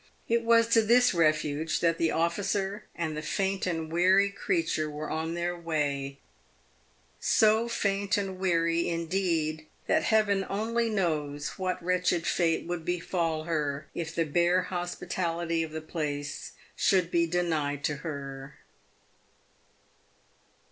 It was to this refuge that the officer and the faint and weary creature were on their way — so faint and weary, indeed, that Heaven only knows what wretched fate would befal her if the bare hospitality of the place should be denied to her.